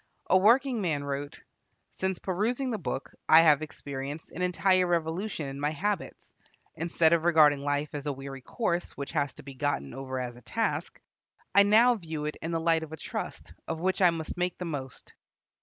A working man wrote: "Since perusing the book I have experienced an entire revolution in my habits. Instead of regarding life as a weary course, which has to be gotten over as a task, I now view it in the light of a trust, of which I must make the most."